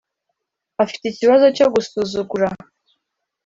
Afite ikibazo cyo gusuzugura.